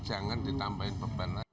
jangan ditambahin beban